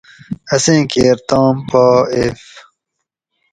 اسیں کیر تام پا ایف